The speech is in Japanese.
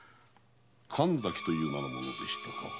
神崎という名の者でしたか。